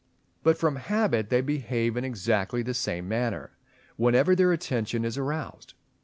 But from habit they behave in exactly the same manner whenever their attention is aroused (fig.